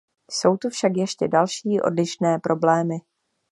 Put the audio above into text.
Jsou tu však ještě další, odlišné problémy.